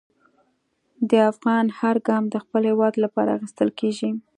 د افغان هر ګام د خپل هېواد لپاره اخیستل کېږي.